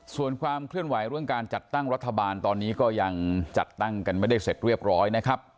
ส่วนความเคลื่อนไหวเรื่องการจัดตั้งรัฐบาลตอนนี้ก็ยังจัดตั้งกันไม่ได้เสร็จเรียบร้อยนะครับ